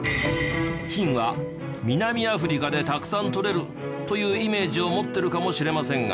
金は南アフリカでたくさんとれるというイメージを持ってるかもしれませんが。